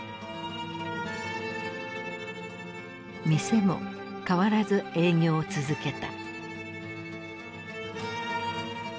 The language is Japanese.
店も変わらず営業を続けた。